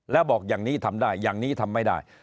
แล้วบอกอย่างนี้ทำได้อย่างนี้ทำไม่ได้